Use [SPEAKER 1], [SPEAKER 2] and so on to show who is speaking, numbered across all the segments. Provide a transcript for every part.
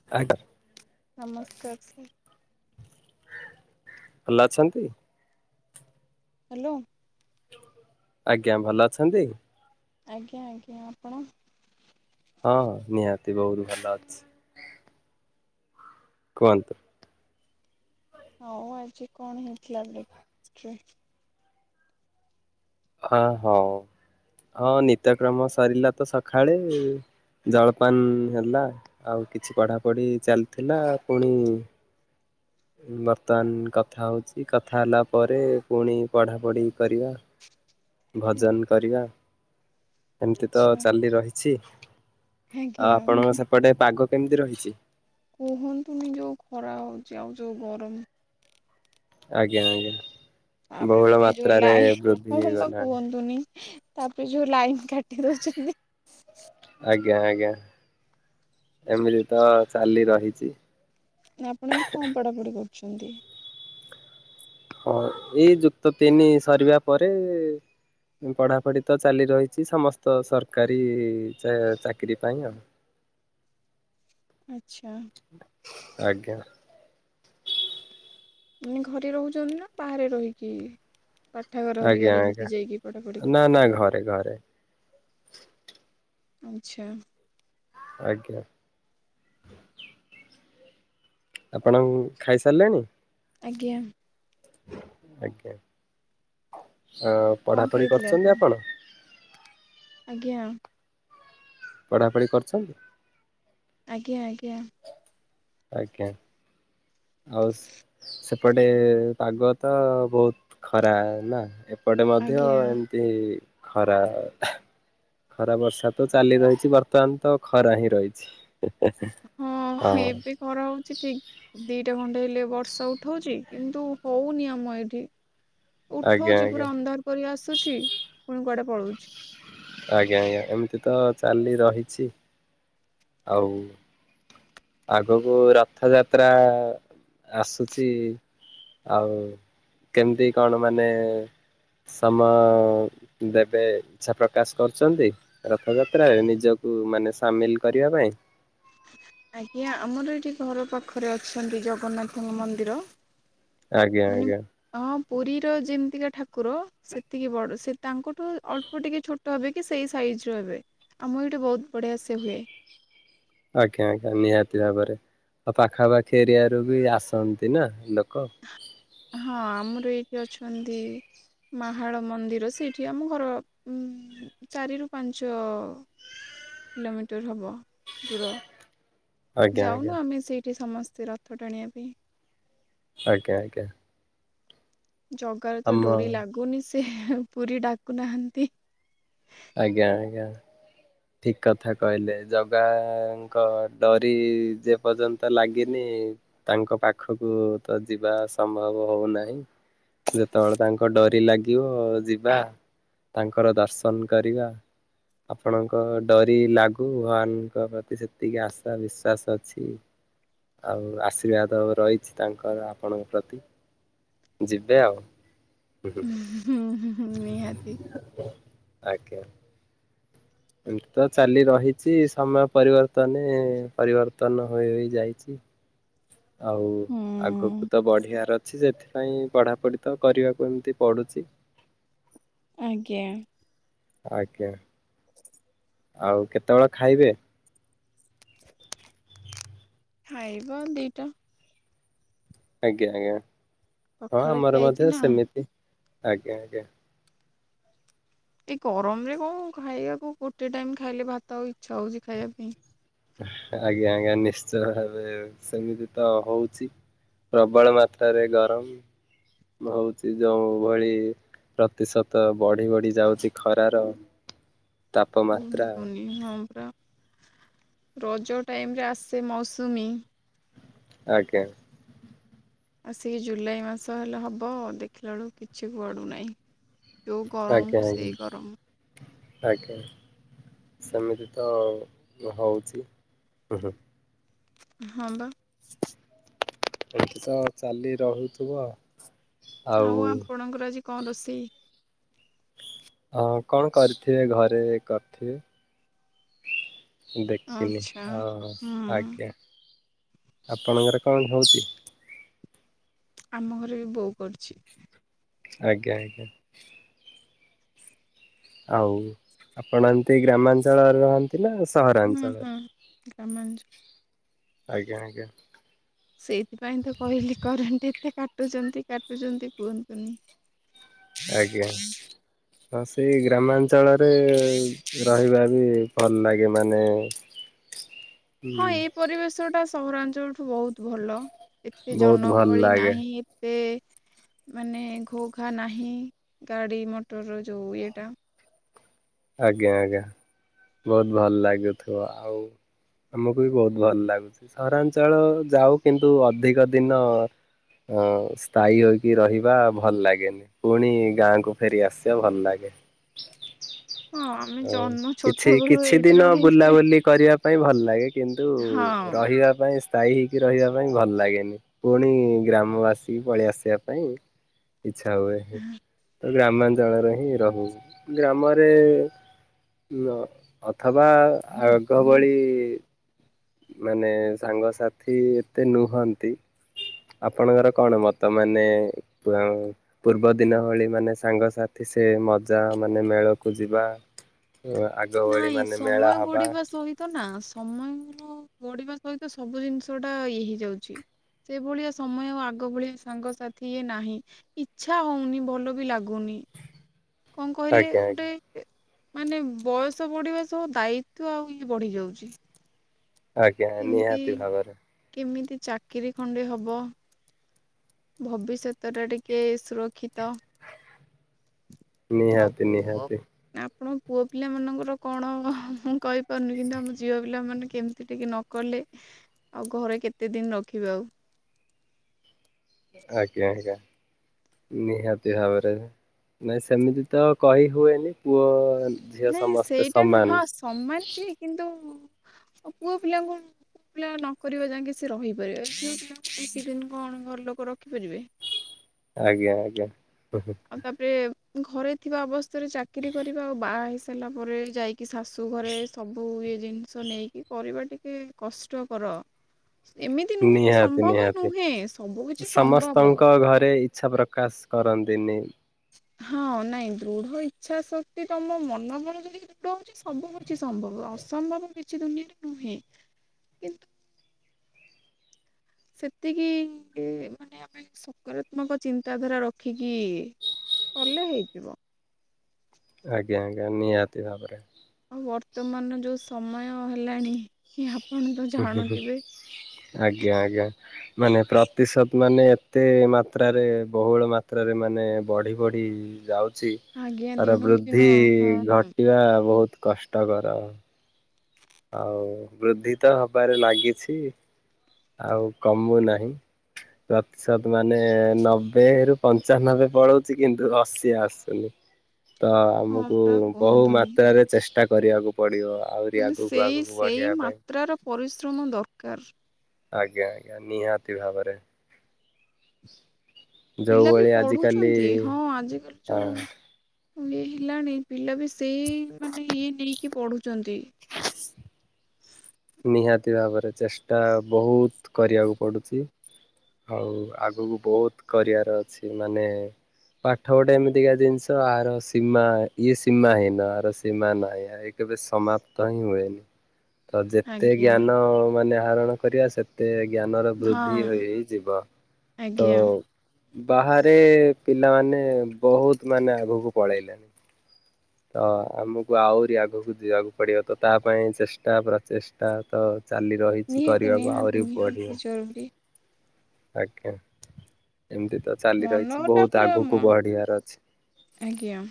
[SPEAKER 1] [unintelligible]
[SPEAKER 2] ନମସ୍କାର ସାର୍।
[SPEAKER 1] ଭଲ ଅଛନ୍ତି।
[SPEAKER 2] ହାଲୋ।
[SPEAKER 1] ଆଜ୍ଞା ଭଲ ଅଛନ୍ତି।
[SPEAKER 2] ଆଜ୍ଞା ଆଜ୍ଞା ଆପଣ।
[SPEAKER 1] ହଁ ନିହାତି ବହୁତ ଭଲ ଅଛି। କୁହନ୍ତୁ।
[SPEAKER 2] ଆଉ ଆଜି କଣ ହେଇଥିଲା ବ୍ରେକଫାଷ୍ଟ ରେ।
[SPEAKER 1] ହଁ ହଁ ନିତ୍ୟକ୍ରମ ସରିଲା ତ ସଖାଳୁ। ଜଳପାନ ହେଲା ଆଉ କିଛି ପଢାପଢି ଚାଲିଥିଲା ପୁଣି। ବର୍ତ୍ତମାନ କଥା ହଉଛି କଥା ହେଲା ପରେ ପୁଣି ପଢା ପଢି କରିବା। ଭଜନ କରିବା ଏମିତି ତ
[SPEAKER 2] ଆଚ୍ଛା
[SPEAKER 1] ଚାଲି ରହିଛି। ଆଉ
[SPEAKER 2] ଆଜ୍ଞା
[SPEAKER 1] ଆପଣଙ୍କ ସେପଟେ ପାଗ କେମିତି ରହିଛି।
[SPEAKER 2] କୁହନ୍ତୁନି ଯୋଉ ଖରା ହେଉଛି ଆଉ ଯୋଉ ଗରମ।
[SPEAKER 1] ଆଜ୍ଞା ଆଜ୍ଞା।
[SPEAKER 2] ତାପରେ
[SPEAKER 1] ବହୁଳ
[SPEAKER 2] ମେ ଜୋଉ
[SPEAKER 1] ମାତ୍ରାରେ ବୃଦ୍ଧି
[SPEAKER 2] ଲାଇନ ହଁ ବା
[SPEAKER 1] ହେଇଗଲାଣି
[SPEAKER 2] କୁହନ୍ତୁନି। ତାପରେ ଯୋଉ ଲାଇନ୍ କାଟି ଦଉଛନ୍ତି।
[SPEAKER 1] ଆଜ୍ଞା ଆଜ୍ଞା ଏମିତି ତ ଚାଲି ରହିଛି।
[SPEAKER 2] ଆପଣ ଏବେ କଣ ପଢାପଢି କରୁଛନ୍ତି।
[SPEAKER 1] ହଁ ଏଇ ଯୁକ୍ତ ତିନି ସରିବା ପରେ ଏ ପଢ଼ାପଢ଼ି ତ ଚାଲି ରହିଛି ସମସ୍ତ ସରକାରୀ ଚାକିରି ପାଇଁ ଆଉ।
[SPEAKER 2] ଆଚ୍ଛା।
[SPEAKER 1] ଆଜ୍ଞା।
[SPEAKER 2] ମାନେ ଘରେ ରହୁଛନ୍ତି ନା ବାହାରେ ରହିକି ପା ଠା ଘର
[SPEAKER 1] ଆଜ୍ଞା
[SPEAKER 2] ଘରିକାରେ
[SPEAKER 1] ଆଜ୍ଞା
[SPEAKER 2] ଇମିତି ଜାଇକି ପଢା ପଢ଼ି
[SPEAKER 1] ନା ନା
[SPEAKER 2] କରୁଛନ୍ତି।
[SPEAKER 1] ଘରେ ଘରେ।
[SPEAKER 2] ଆଚ୍ଛା।
[SPEAKER 1] ଆଜ୍ଞା। ଆପଣ ଖାଇସାରିଲେଣି?
[SPEAKER 2] ଆଜ୍ଞା।
[SPEAKER 1] ଆଜ୍ଞା ଅଂ
[SPEAKER 2] କଣ
[SPEAKER 1] ପଢାପଢି
[SPEAKER 2] ଖାଇଥିଲେ
[SPEAKER 1] କରୁଛନ୍ତି ଆପଣ?
[SPEAKER 2] ଆଜ୍ଞା।
[SPEAKER 1] ପଢ଼ାପଢ଼ି କରୁଛନ୍ତି?
[SPEAKER 2] ଆଜ୍ଞା ଆଜ୍ଞା।
[SPEAKER 1] ଆଜ୍ଞା ଆଉ ସେପଟେ ଏ ପାଗ ତ ବହୁତ। ଖରା ନା ଏପଟେ ମଧ୍ୟ
[SPEAKER 2] ଆଜ୍ଞା
[SPEAKER 1] ଏମିତି ଖରା ଖରା ବର୍ଷା ତ ଚାଲି ରହିଛି ବର୍ତ୍ତମାନ ତ ଖରା ହିଁ ରହିଛି।
[SPEAKER 2] ହଁ ଏବେ ଖରା ହଉଛି ଠିକ। ଦିଟା ଖଣ୍ଡେ ହେଲେ ବର୍ଷା ଉଠଉଚି କିନ୍ତୁ ହଉନି ଆମ ଏଠି।
[SPEAKER 1] ଆଜ୍ଞା ଆଜ୍ଞା
[SPEAKER 2] ଉଠଉଛି ପୁରା ଅନ୍ଧାର କରି ଆସୁଛି ପୁଣି କୁଆଡେ ପଳଉଛି।
[SPEAKER 1] ଆଜ୍ଞା ଆଜ୍ଞା ଏମିତି ତ ଚାଲି ରହିଛି। ଆଉ। ଆଗକୁ ରଥଯାତ୍ରା ଆ ଆସୁଚି। ଆଉ କେମତି କଣ ମାନେ? ସମୟ ଦେବେ ଇଚ୍ଛା ପ୍ରକାଶ କରୁଛନ୍ତି। ରଥଯାତ୍ରାରେ ନିଜକୁ ମାନେ ସାମିଲ କରିବା ପାଇଁ
[SPEAKER 2] ଆଜ୍ଞା ଆମର ଏଇଠି ଘର ପାଖରେ ଅଛନ୍ତି ଜଗନ୍ନାଥଙ୍କ ମନ୍ଦିର।
[SPEAKER 1] ଆଜ୍ଞା
[SPEAKER 2] ମାନେ
[SPEAKER 1] ଆଜ୍ଞା।
[SPEAKER 2] ହଁ ପୁରୀର ଯେମିତିକା ଠାକୁର ସେତିକି ବଡ଼ ସେ ତାଙ୍କଠୁ ଅଳ୍ପ ଟିକେ ଛୋଟ ହେବେ କି ସେଇ ସାଇଜ ର ହେବେ ଆମ ଏଇଠେ ବହୁତ ବଢିଆ ସେ ହୁଏ।
[SPEAKER 1] ଆଜ୍ଞା ଆଜ୍ଞା ନିହାତି ଭାବରେ ଆଉ ପାଖାପାଖି ଏରିଆରୁ ବି ଆସନ୍ତି ନା ଲୋକ।
[SPEAKER 2] ହଁ ଆମର ଏଇଠି ଅଛନ୍ତି। ମାହାଳ ମନ୍ଦିର ସେଇଠି ଆମ ଘର ଉଁ ଚାରିରୁ ପାଞ୍ଚ କିଲୋମିଟର ହବ ଦୂର
[SPEAKER 1] ଆଜ୍ଞା ଆଜ୍ଞା
[SPEAKER 2] ଯାଉନୁ ଆମେ ସେଇଠି ସମସ୍ତେ ର ଥ ଟାଣିଆ ପାଇଁ।
[SPEAKER 1] ଆଜ୍ଞା ଆଜ୍ଞା।
[SPEAKER 2] ଜଗାରେ ତ
[SPEAKER 1] ଆମ
[SPEAKER 2] ଡୋରି ଲାଗୁନି ସେ ପୁରୀ ଡାକୁନାହାନ୍ତି।
[SPEAKER 1] ଆଜ୍ଞା ଆଜ୍ଞା। ଠିକ କଥା କହିଲେ ଜଗାଙ୍କ ଡରି ଯେ ପର୍ଯ୍ୟନ୍ତ ଲାଗିନି ତାଙ୍କ ପାଖକୁ ତ ଯିବା ସମ୍ଭବ ନାହିଁ। ଯେତେବେଳେ ତାଙ୍କ ଡରି ଲାଗିବ ଯିବା। ତାଙ୍କର ଦର୍ଶନ କରିବା ଆପଣଙ୍କ ଙ୍କ ଡରି ଲାଗୁ ଭଗବାନଙ୍କ ପ୍ରତି ସେତିକି ଆଶା ବିଶ୍ଵାସ ଅଛି। ଆଉ ଆଶୀର୍ବାଦ ରହିଛି ତାଙ୍କର ଆପଣଙ୍କ ପ୍ରତି। ଯିବେ ଆଉ।
[SPEAKER 2] ହୁଁ ହୁଁ ହୁଁ ନିହାତି।
[SPEAKER 1] ଆଞା। ଏମିତି ତ ଚାଲି ରହିଛି, ସମୟ ପରିବର୍ତ୍ତନେ ପରିବର୍ତ୍ତନ ହୋଇ ଯାଇଛି। ଆଉ ଆଗକୁ
[SPEAKER 2] ହୁଁ
[SPEAKER 1] ତ ବଢ଼ିବାର ଅଛି, ସେଥିପାଇଁ ପଢ଼ାପଢ଼ି ତ କରିବାକୁ ଏମିତି ପଡ଼ୁଛି।
[SPEAKER 2] ଆଜ୍ଞା।
[SPEAKER 1] ଆଜ୍ଞା।
[SPEAKER 2] ହ
[SPEAKER 1] ଆଉ କେତେବେଳେ ଖାଇବେ?
[SPEAKER 2] ଖାଇବା ଦିଟା
[SPEAKER 1] ଆଜ୍ଞା ଆଜ୍ଞା ହଁ
[SPEAKER 2] ପଖାଳ ଖିଆ
[SPEAKER 1] ଆମର
[SPEAKER 2] ହେଇଛି
[SPEAKER 1] ମଧ୍ୟ
[SPEAKER 2] ନା
[SPEAKER 1] ସେମିତି ଆଜ୍ଞା ଆଜ୍ଞା।
[SPEAKER 2] ଏଇ ଗରମରେ କଣ ଖାଇବାକୁ, ଗୋଟେ ଟାଇମ ଖାଇଲେ ଭାତ ଆଉ ଇଚ୍ଛା ହଉଛି ଖାଇବା ପାଇଁ।
[SPEAKER 1] ଆଜ୍ଞା ଆଜ୍ଞା ନିଶ୍ଚୟ ଭାବେ ସେମିତି ତ ହଉଛି। ପ୍ରବଳ ମାତ୍ରାରେ ଗରମ ହଉଚି ଯୋଉଭଳି। ପ୍ରତିଶତ ବଢ଼ି ବଢ଼ି ଯାଉଛି ଖରାର। ତାପମାତ୍ରା
[SPEAKER 2] କୁହନ୍ତୁନି, ହଁ ପରା ରଜ ଟାଇମରେ ଆସେ ମୌସୁମୀ।
[SPEAKER 1] ଅଜ୍ଞା।
[SPEAKER 2] ଆସିକି ଜୁଲାଇ ମାସ ହେଲେ ହବ, ଦେଖିଲା ବେଳକୁ କିଛି କୁଆଡୁ ନାହିଁ। ଯୋଉ
[SPEAKER 1] ଆଜ୍ଞା
[SPEAKER 2] ଗରମକୁ
[SPEAKER 1] ଆଜ୍ଞା
[SPEAKER 2] ସେଇ ଗରମ।
[SPEAKER 1] ଆଜ୍ଞା। ସେମିତି ତ ଇଏ ହଉଛି ଉଁ- ହୁଁ।
[SPEAKER 2] ହଁ ବା।
[SPEAKER 1] ଏଠି ତ ଚାଲି ରହୁଥିବ।
[SPEAKER 2] ଆଉ ଆପଣଙ୍କର ଆଜି କଣ ରୋଷେଇ?
[SPEAKER 1] ହଁ କଣ କରିଥିବେ, ଘରେ କରିଥିବେ। ଦେଖିନି
[SPEAKER 2] ଆଚ୍ଛା
[SPEAKER 1] ହ
[SPEAKER 2] ହୁଁ
[SPEAKER 1] ଆଜ୍ଞା, ଆପଣଙ୍କର କଣ ହଉଛି?
[SPEAKER 2] ଆମ ଘରେ ବି ବୋଉ କରୁଛି।
[SPEAKER 1] ଆଜ୍ଞା ଆଜ୍ଞା। ଆଉ ଆପଣ ଏମତି ଗ୍ରାମାଞ୍ଚଳରେ ରହନ୍ତି ନା ସହରାଞ୍ଚଳରେ?
[SPEAKER 2] ଗ୍ରାମାଞ୍ଚ
[SPEAKER 1] ଆଜ୍ଞା ଆଜ୍ଞା।
[SPEAKER 2] ସେଇଥିପାଇଁ ତ କହିଲି, କରେଣ୍ଟ ଏତେ କାଟୁଛନ୍ତି କାଟୁଛନ୍ତି କୁହନ୍ତୁନି।
[SPEAKER 1] ଆଜ୍ଞା ହଁ ସେଇ ଗ୍ରାମାଞ୍ଚଳରେ ରହିବା ବି ଭଲ ଲାଗେ ମାନେ
[SPEAKER 2] ହଁ
[SPEAKER 1] ହୁଁ
[SPEAKER 2] ଏଇ ପରିବେଶଟା ସହରାଞ୍ଚଳଠୁ ବହୁତ ଭଲ, ଏତେ
[SPEAKER 1] ବହୁତ ଭଲ
[SPEAKER 2] ଜନଗହଳି
[SPEAKER 1] ଲାଗେ
[SPEAKER 2] ନାହିଁ ଏ ଏ ମାନେ ଘୋ ଘା ନାହିଁ, ଗାଡ଼ି ମଟର ଯୋଉ ଇଏଟା।
[SPEAKER 1] ଆଜ୍ଞା ଆଜ୍ଞା। ବହୁତ ଭଲ ଲାଗୁଥିବ ଆଉ। ଆମକୁ ବି ବହୁତ ଭଲ ଲାଗୁଛି, ସହରାଞ୍ଚଳ ଯାଉ କିନ୍ତୁ ଅଧିକ ଦିନ ହଁ ସ୍ଥାୟୀ ହୋଇକି ରହିବା ଭଲ ଲାଗେନି। ପୁଣି ଗାଁକୁ ଫେରି ଆସିବାକୁ ଭଲ ଲାଗେ।
[SPEAKER 2] ହଁ ଆମେ
[SPEAKER 1] ଆ
[SPEAKER 2] ଜନ୍ମ ଛୋଟ
[SPEAKER 1] କିଛି
[SPEAKER 2] ବେଳୁ
[SPEAKER 1] କିଛି
[SPEAKER 2] ଏଇଠି
[SPEAKER 1] ଦିନ
[SPEAKER 2] ରହି
[SPEAKER 1] ବୁଲାବୁଲି କରିଆ ପାଇଁ ଭଲ ଲାଗେ, କିନ୍ତୁ
[SPEAKER 2] ହଁ
[SPEAKER 1] ରହିବା ପାଇଁ ସ୍ଥାୟୀ ହେଇକି ରହିବା ପାଇଁ ଭଲ ଲାଗେନି, ପୁଣି ଗ୍ରାମବାସୀ ପଳେଇ ଆସିବା ପାଇଁ ଇଚ୍ଛା ହୁଏ, ତ ଗ୍ରାମାଞ୍ଚଳରେ ହିଁ ରହୁ। ଗ୍ରାମରେ ନାଁ ଅଥବା ଆଗ ଭଳି ମାନେ ସାଙ୍ଗସାଥି ଏତେ ନୁହଁନ୍ତି ଆପଣଙ୍କର କଣ ମତ ମାନେ [unintelligible] ପୂର୍ବ ଦିନ ଭଳି, ମାନେ ସାଙ୍ଗସାଥି ସେ ମଜା ମାନେ ମେଳକୁ ଯିବା। ଆଗ ଭଳି ମାନେ ମେଳା ହବା।
[SPEAKER 2] ତ ନା ସମୟର ବଢିବା ସହିତ, ସବୁ ଜିନିଷ ଟା ଇଏ ହେଇଯାଉଛି। ସେଇ ଭଳିଆ ସମୟ, ଆଉ ଆଗ ଭଳିଆ ସାଙ୍ଗସାଥି ଇଏ ନାହିଁ। ଇଚ୍ଛା ହଉନି ଭଲ ବି ଲାଗୁନି। କଣ କହିଲେ
[SPEAKER 1] ଆଜ୍ଞା
[SPEAKER 2] ଗୋଟେ
[SPEAKER 1] ଆଜ୍ଞା
[SPEAKER 2] ମାନେ ବୟସ ବଢିବା ସହ ଦାୟିତ୍ଵ ଆଉ ଇଏ ବଢି ଯାଉଚି।
[SPEAKER 1] ଆଜ୍ଞା ନିହାତି ଭାବରେ।
[SPEAKER 2] କେମିତି ଚାକିରିୀ ଖଣ୍ଡେ ହବ। ଭବିଷ୍ୟତଟା ଟିକେ ସୁରକ୍ଷିତ
[SPEAKER 1] ନିହାତି
[SPEAKER 2] [unintelligible]
[SPEAKER 1] ନିହାତି
[SPEAKER 2] ଆପଣଙ୍କ ପୁଅ ପିଲାମାନାନଙ୍କର କଣ ମୁଁ କହିପାରୁନି କିନ୍ତୁ ଆମ ଝିଅ ପିଲାମାନେ କେମିତି ଟିକେ ନ କଲେ ଆଉ ଘରେ କେତେ ଦିନ ରଖିବେ ଆଉ।
[SPEAKER 1] ଆଜ୍ଞା ଆଜ୍ଞା। ନିହାତି ଭାବରେ। ନାଇଁ ସେମିତି ତ କହି ହୁଏନି ପୁଅ ଝିଅ
[SPEAKER 2] ନାଇଁ
[SPEAKER 1] ସମସ୍ତେ
[SPEAKER 2] ସେଇଟା
[SPEAKER 1] ସମାନ
[SPEAKER 2] ନୁହଁ ସମାନଛି କିନ୍ତୁ ପୁଅ ପିଲାଙ୍କୁ ପୁଅ ପିଲା ନ କରିବା ଯାକେ ସେ ରହିପାରିବେ। ଝିଅ ପିଲା କିଛିଦିନ କଣ ଘର ଲୋକ ରଖିପାରିବେ।
[SPEAKER 1] ଆଜ୍ଞା ଆଜ୍ଞା।
[SPEAKER 2] ଆଉ ତାପରେ ଘରେ ଥିବା ଅବସ୍ଥାରେ ଚାକିରି କରିବା ଆଉ ବାହା ହେଇସାରିଲା ପରେ ଯାଇ କି ଶାଶୁ ଘରେ ସବୁ ଇଏ ଜିନିଷ ନେଇକି କରିବା ଟିକେ କଷ୍ଟକର। ଏମିତି ନୁହେଁ
[SPEAKER 1] ନିହାତି
[SPEAKER 2] ସମ୍ଭବ
[SPEAKER 1] ନିହାତି
[SPEAKER 2] ନୁହେଁ ସବୁ କିଛି ସମ୍ଭବ।
[SPEAKER 1] ସମସ୍ତଙ୍କ ଘରେ ଇଚ୍ଛା ପ୍ରକାଶ କରନ୍ତିନି।
[SPEAKER 2] ହଁ ନାଇଁ ଦୃଢ ଇଚ୍ଛା ଶକ୍ତି ତମ ମନ ବାଳ ଯଦି ଦୃଢ ହଉଚି ସବୁ କିଛି ସମ୍ଭବ ଅସମ୍ଭବ କିଛି ଦୁନିଆରେ ନୁହେଁ। କିନ୍ତୁ ସେତିକି ଇଏ ମାନେ ସକାରାତ୍ମକ ଚିନ୍ତାଧାରା ରଖିକି କଲେ ହେଇଯିବ।
[SPEAKER 1] ଆଜ୍ଞା ଆଜ୍ଞା ନିହାତି ଭାବରେ।
[SPEAKER 2] ଆଉ ବର୍ତ୍ତମାନର ଯୋଉ ସମୟ ହେଲାଣି କି ଆପ
[SPEAKER 1] ଆଜ୍ଞା ଆଜ୍ଞା। ମାନେ ପ୍ରତିଶତ ମାନେ ଏତେ ମାତ୍ରାରେ ବହୁଳ ମାତ୍ରାରେ ମାନେ ବଢି ବଢି ଯାଉଚି,
[SPEAKER 2] ଆଜ୍ଞା
[SPEAKER 1] ତାର
[SPEAKER 2] ଦିନକୁ ଦିନ
[SPEAKER 1] ବୃଦ୍ଧି
[SPEAKER 2] ହଁ
[SPEAKER 1] ଘଟିବା ବହୁତ କଷ୍ଟକର। ଆଉ ବୃଦ୍ଧି ତ ହବାରେ ଲାଗିଛି ଆଉ କମୁ ନାହିଁ। ପ୍ରତିଶତ ମାନେ ନବେ ରୁ ପଞ୍ଚାନବେ ପଳଉଛି କିନ୍ତୁ ଅଶୀ ଆସୁନି।
[SPEAKER 2] ହଁ
[SPEAKER 1] ତ ଆମକୁ
[SPEAKER 2] ପୁରା
[SPEAKER 1] ବହୁ
[SPEAKER 2] କୁହନ୍ତୁନି
[SPEAKER 1] ମାତ୍ରାରେ ଚେଷ୍ଟା କରିବାକୁ ପଡିବ। ଆହୁରି
[SPEAKER 2] ମାନେ
[SPEAKER 1] ଆଗକୁ
[SPEAKER 2] ସେଇ
[SPEAKER 1] ଆଗକୁ
[SPEAKER 2] ସେଇ
[SPEAKER 1] ବଢିବା ପାଇଁ।
[SPEAKER 2] ମାତ୍ରାର ପରିଶ୍ରମ ଦରକାର।
[SPEAKER 1] ଆଜ୍ଞା ଆଜ୍ଞା ନିହାତି ଭାବରେ। ଯୋଉ
[SPEAKER 2] ପିଲା ବି
[SPEAKER 1] ଭଳି ଆଜିକାଲି
[SPEAKER 2] ପଢୁଛନ୍ତି ହଁ ଆଜିିକାଲି ଯୋଉ
[SPEAKER 1] ହଁ
[SPEAKER 2] ଇଏ ହେଲାଣି ପିଲା ବି ସେଇ ମାନେ ଇଏ ନେଇକି ପଢୁଛନ୍ତି।
[SPEAKER 1] ନିହାତି ଭାବରେ ଚେଷ୍ଟା ବହୁତ କରିବାକୁ ପଡୁଚି। ଆଉ ଆଗକୁ ବହୁତ କରିବାର ଅଛି ମାନେ ପାଠ ଗୋଟେ ଏମିତିକା ଜିନିଷ ଆର ସୀମା ଇଏ ସୀମା ହିନ ଆର ସୀମା ନାହିଁ। କେବେ ସମାପ୍ତ ହିଁ ହୁଏନି। ତ ଯେତେ
[SPEAKER 2] ଆଜ୍ଞା
[SPEAKER 1] ଜ୍ଞାନ ମାନେ ଆହରଣ କରିବା ସେ ସେତେ ଜ୍ଞାନର
[SPEAKER 2] ହଁ
[SPEAKER 1] ବୃଦ୍ଧି ହୋଇ ହୋଇ ଯିବ। ତ
[SPEAKER 2] ଆଜ୍ଞା
[SPEAKER 1] ବାହାରେ ପିଲାମାନେ ବହୁତ ମାନେ ଆଗକୁ ପଳେଇଲେଣିି। ତ ଆମକୁ ଆହୁରି ଆଗକୁ ଯିବାକୁ ପଡିବ। ତ ତା ପାଇଁ ଚେଷ୍ଟା ପ୍ରଚେଷ୍ଟା ତ ଚାଲି ରହିଛି
[SPEAKER 2] ନିହାତି
[SPEAKER 1] କରିବାକୁ
[SPEAKER 2] ନିହାତି
[SPEAKER 1] ଆହୁରି ବଢିବ।
[SPEAKER 2] ନିହାତି ଜରୁରୀ
[SPEAKER 1] ଆଜ୍ଞା। ଏମିତି ତ ଚାଲି ରହିଚି
[SPEAKER 2] ମନଟା
[SPEAKER 1] ବହୁତ
[SPEAKER 2] ପୁରା ମ
[SPEAKER 1] ଆଗକୁ ବଢିବାର ଅଛି।
[SPEAKER 2] ଆଜ୍ଞା।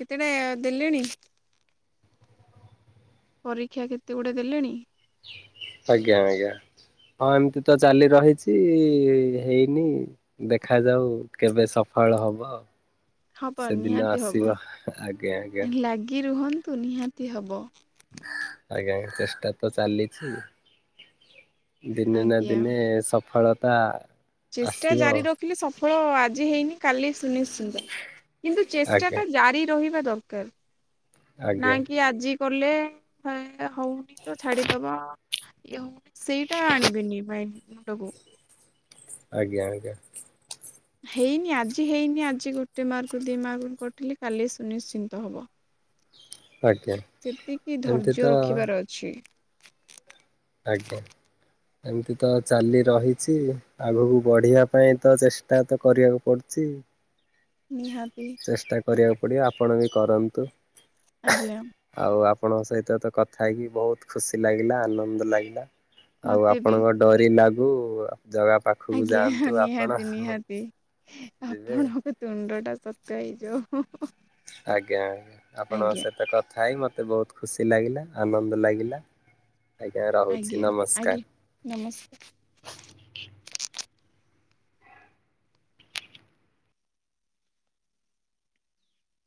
[SPEAKER 2] କେତେଟା ଦେଲେଣି? ପରୀକ୍ଷା କେତେ ଗୁଡ଼େ ଦେଲେଣି?
[SPEAKER 1] ଆଜ୍ଞା ଆଜ୍ଞା। ହଁ ଏମତି ତ ଚାଲି ରହିଚି ହେଇନି। ଦେଖାଯାଉ କେବେ ସଫଳ ହବ।
[SPEAKER 2] ହବ
[SPEAKER 1] ସେଦିନ
[SPEAKER 2] ନିହାତି
[SPEAKER 1] ଆସିବ
[SPEAKER 2] ହବ
[SPEAKER 1] ଆଜ୍ଞା ଆଜ୍ଞା
[SPEAKER 2] ଲାଗି ରୁହନ୍ତୁ ନିହାତି ହବ।
[SPEAKER 1] ଆଜ୍ଞା ଚେଷ୍ଟା ତ ଚାଲିଚି। ଦିନେ ନା
[SPEAKER 2] ଆଜ୍ଞା
[SPEAKER 1] ଦିନେ ସଫଳତା
[SPEAKER 2] ଚେଷ୍ଟା
[SPEAKER 1] ଆସିବ
[SPEAKER 2] ଜାରି ରଖିଲେ ସଫଳ ଆଜି ହେଇନି କାଲି ସୁନିଚିତ୍ତ। କିନ୍ତୁ ଚେଷ୍ଟା
[SPEAKER 1] ଆଜ୍ଞା
[SPEAKER 2] ଟା ଜାରି ରହିବା ଦରକାର ନା
[SPEAKER 1] ଆଜ୍ଞା
[SPEAKER 2] କି ଆଜି କଲେ ହଉନି ତ ଛାଡିଦବ। ସେଇଟା ଆଣିବେନି ମାଇ ମୁଣ୍ଡକୁ।
[SPEAKER 1] ଆଜ୍ଞା ଆଜ୍ଞା।
[SPEAKER 2] ହେଇନି ଆଜି ହେଇନି ଆଜି ଗୋଟେ ମାର୍କ ଦି ମାର୍କ କଟିଲି କାଲି ସୁନିଶ୍ଚିନ୍ତ ହବ।
[SPEAKER 1] ଆଜ୍ଞା
[SPEAKER 2] ସେତିକି
[SPEAKER 1] ଏମିତି
[SPEAKER 2] ଧୈର୍ଯ୍ୟ
[SPEAKER 1] ତ
[SPEAKER 2] ରଖିବାର ଅଛି।
[SPEAKER 1] ଆଜ୍ଞା ଏମିତି ତ ଚାଲି ରହିଛି। ଆଗକୁ ବଢିବା ପାଇଁ ତ ଚେଷ୍ଟା ତ କରିବାକୁ ପଡୁଛି।
[SPEAKER 2] ହ
[SPEAKER 1] ଚେଷ୍ଟା କରିବାକୁ ପଡିବ ଆପଣ ବି କରନ୍ତୁ।
[SPEAKER 2] ଆଜ୍ଞା।
[SPEAKER 1] ଆଉ ଆପଣଙ୍କ ସହିତ ତ କଥା ହେଇକି ବହୁତ ଖୁସି ଲାଗିଲା ଆନନ୍ଦ ଲାଗିଲା। ଆଉ
[SPEAKER 2] ମତେ ବି
[SPEAKER 1] ଆପଣଙ୍କ ଡରି ଲାଗୁ ଜଗା ପାଖ
[SPEAKER 2] ଆଜ୍ଞା ନିହାତି ନିହାତି।
[SPEAKER 1] ଯିବେ।
[SPEAKER 2] ଆପଣଙ୍କ ଦ୍ଵନ୍ଦ ଟା [unintelligible] ହେଇଯାଉ।
[SPEAKER 1] ଆଜ୍ଞା ଆପଣଙ୍କ
[SPEAKER 2] ଆଜ୍ଞା
[SPEAKER 1] ସହିତ କଥା ହେଇ ମତେ ବହୁତ ଖୁସି ଲାଗିଲା ଆନନ୍ଦ ଲାଗିଲା। ଆଜ୍ଞା ରହୁଛି
[SPEAKER 2] ଆଜ୍ଞା
[SPEAKER 1] ନମସ୍କାର।
[SPEAKER 2] ଆଜ୍ଞା ନମସ୍କାର।